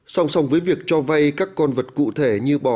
sông sông với việc cho vây các con vật cụ thể như bò